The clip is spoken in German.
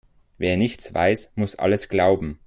Wer nichts weiß, muss alles glauben.